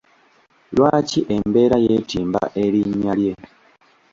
Lwaki abeera yeetimba erinnya lye?